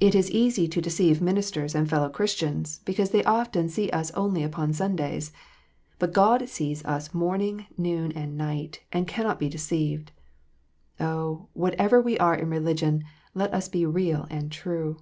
It is easy to deceive ministers and fellow Chris tians, because they often see us only upon Sundays. But God sees us morning, noon, and night, and cannot be deceived. Oh, whatever we are in religion, let us be real and true